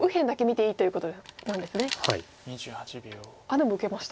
でも受けました。